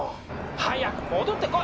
☎早く戻ってこい！